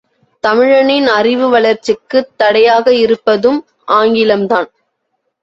தமிழனின் அறிவு வளர்ச்சிக்குத் தடையாக இருப்பதும் ஆங்கிலம் தான்!